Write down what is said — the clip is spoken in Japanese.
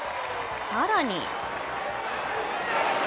更に。